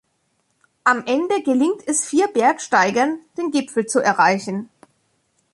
Am Ende gelingt es vier Bergsteigern, den Gipfel zu erreichen.